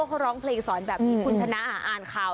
เขาร้องเพลงสอนแบบที่คุณธนาอ่านข่าว